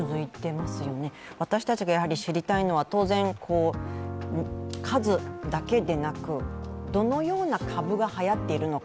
私たちが知りたいのは当然数だけでなくどのような株がはやっているのか。